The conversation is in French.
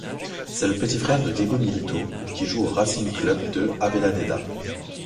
C'est le petit frère de Diego Milito, qui joue au Racing Club de Avellaneda.